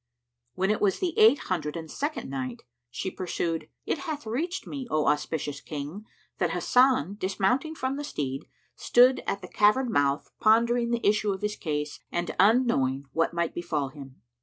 When it was the Eight Hundred and Second Night, She pursued, It hath reached me, O auspicious King, that Hasan, dismounting from the steed, stood at the cavern mouth pondering the issue of his case and unknowing what might befal him.